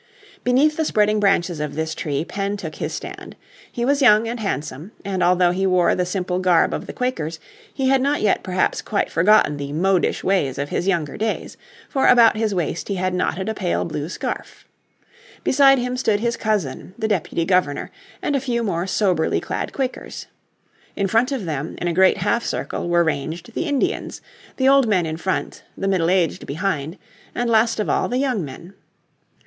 Beneath the spreading branches of this tree Penn took his stand. He was young and handsome, and although he wore the simple garb of the Quakers he had not yet perhaps quite forgotten the "modish" ways of his younger days, for about his waist he had knotted a pale blue scarf. Beside him stood his cousin, the deputy governor, and a few more soberly clad Quakers. In front of them, in a great half circle were ranged the Indians, the old men in front, the middle aged behind, and last of all the young men.